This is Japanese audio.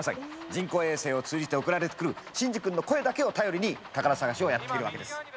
人工衛星を通じて送られてくる真司君の声だけを頼りに宝探しをやっているわけです。